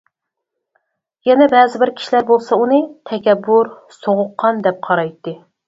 يەنە بەزىبىر كىشىلەر بولسا ئۇنى تەكەببۇر، سوغۇققان دەپ قارايتتى.